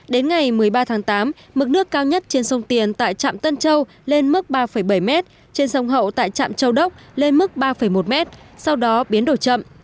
đến ngày một mươi ba tháng tám mực nước cao nhất trên sông tiền tại trạm tân châu lên mức ba bảy m trên sông hậu tại trạm châu đốc lên mức ba một m sau đó biến đổi chậm